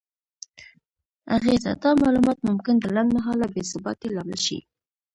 اغیزه: دا معلومات ممکن د لنډمهاله بې ثباتۍ لامل شي؛